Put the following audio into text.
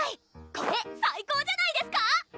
これ最高じゃないですか⁉